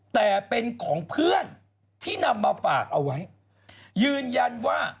แต่เป็นของเพื่อน